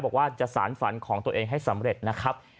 บอกว่าจะสารฝันของตัวเองให้สำเร็จนะครับ